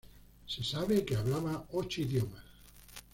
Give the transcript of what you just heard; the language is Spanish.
Se sabe que hablaba ocho idiomas.